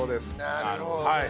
なるほどね。